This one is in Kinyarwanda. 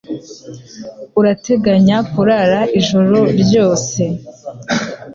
Urateganya kurara ijoro ryose